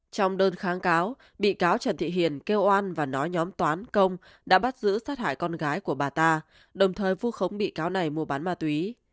trong đơn kháng cáo bị cáo trần thị hiền kêu oan và nói nhóm toán công đã bắt giữ sát hại con gái của bà ta đồng thời vu khống bị cáo này mua bán ma túy